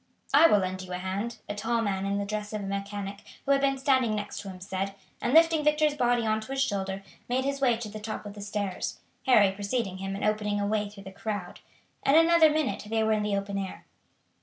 "I will lend you a hand," a tall man in the dress of a mechanic, who had been standing next to him, said, and, lifting Victor's body on to his shoulder, made his way to the top of the stairs, Harry preceding him and opening a way through the crowd. In another minute they were in the open air.